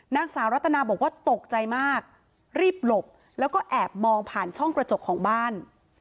นางสาวรัตนาบอกว่าตกใจมากรีบหลบแล้วก็แอบมองผ่านช่องกระจกของบ้าน